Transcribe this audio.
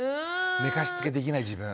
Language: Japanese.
寝かしつけできない自分。